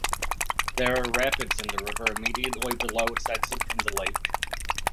There are rapids in the river immediately below its exit from the lake.